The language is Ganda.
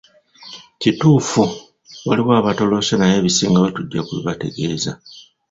Kituufu, waliwo abatolose naye ebisingawo tujja kubibategeeza.